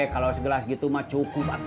kalau segelas gitu mah cukup